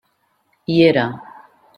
Hi era.